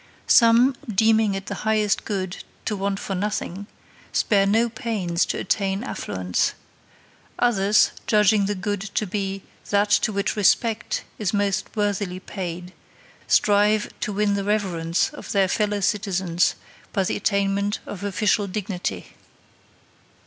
Some, deeming it the highest good to want for nothing, spare no pains to attain affluence; others, judging the good to be that to which respect is most worthily paid, strive to win the reverence of their fellow citizens by the attainment of official dignity.